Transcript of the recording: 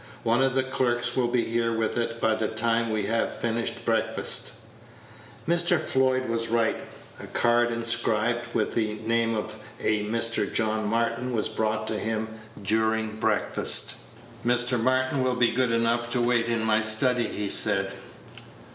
"One of the clerks will be here with it by the time we have finished breakfast." Mr. Floyd was right. A card inscribed with the name of a Mr. George Martin was brought to him during breakfast. "Mr. Martin will be good enough to wait in my study," he said.